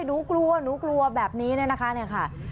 หนูกลัวหนูกลัวแบบนี้เนี่ยนะคะ